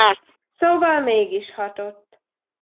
Szóval mégis hatott!